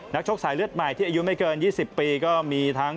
ชกสายเลือดใหม่ที่อายุไม่เกิน๒๐ปีก็มีทั้ง